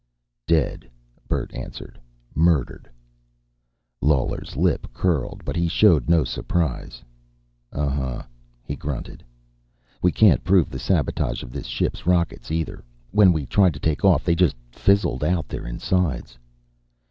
"Dead," Bert answered. "Murdered." Lawler's lip curled, but he showed no surprise. "Uhunh," he grunted. "We can't prove the sabotage of this ship's rockets, either. When we tried to take off they just fizzled out their insides."